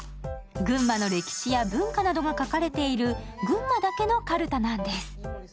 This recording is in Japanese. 群馬の歴史や文化などが書かれている群馬だけのかるたなんです。